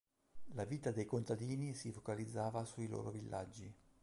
La vita dei contadini si focalizzava sui loro villaggi.